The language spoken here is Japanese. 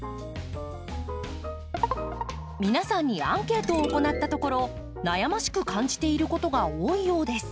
皆さんにアンケートを行ったところ悩ましく感じていることが多いようです。